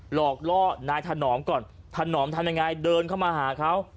หลอกล่อนายถนอมก่อนถนอมทำยังไงเดินเข้ามาหาเขา